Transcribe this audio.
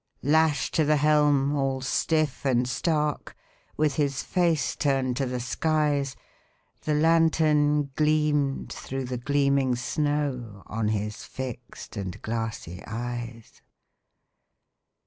Lashed to the helm, all stiff and stark, With his face turned to the skies, The lantern gleamed through the gleaming snow On his fixed and glassy eyes.